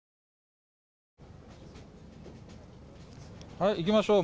はい行きましょう。